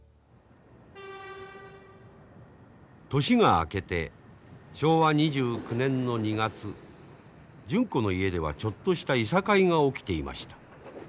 年が明けて昭和２９年の２月純子の家ではちょっとしたいさかいが起きていました。